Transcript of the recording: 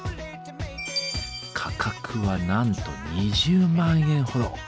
価格はなんと２０万円ほど。